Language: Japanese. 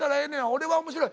「俺は面白い！